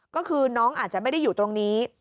ก็คือน้องอาจจะไม่ได้อยู่ตรงนี้